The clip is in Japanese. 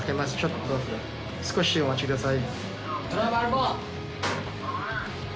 少しお待ちください。